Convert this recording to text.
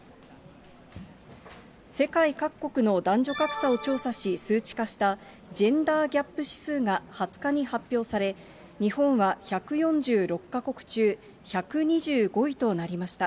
世界各国の男女格差を調査し、数値化したジェンダーギャップ指数が２０日に発表され、日本は１４６か国中１２５位となりました。